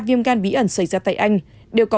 viêm gan bí ẩn xảy ra tại anh đều có